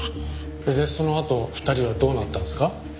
そのあと２人はどうなったんですか？